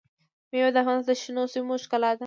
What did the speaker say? مېوې د افغانستان د شنو سیمو ښکلا ده.